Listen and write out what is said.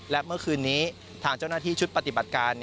และเมื่อคืนนี้ทางเจ้าหน้าที่ชุดปฏิบัติการ